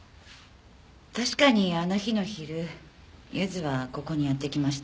確かにあの日の昼ゆずはここにやって来ました。